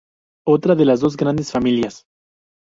Otra de las dos grandes familias.